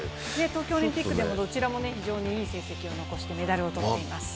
東京オリンピックでもどちらも非常にいい成績を残してメダルを取っています。